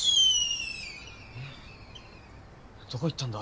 どこ行ったんだ？